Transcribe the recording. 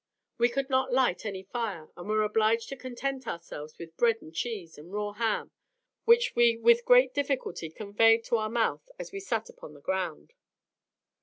We could not light any fire, and were obliged to content ourselves with bread and cheese and raw ham, which we with great difficulty conveyed to our mouth as we sat upon the ground.